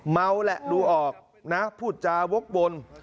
เม้าแหละดูออกนะผุดจาวกบล